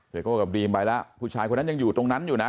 โก้กับดรีมไปแล้วผู้ชายคนนั้นยังอยู่ตรงนั้นอยู่นะ